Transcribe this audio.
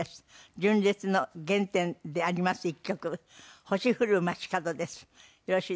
純烈の原点であります一曲『星降る街角』です。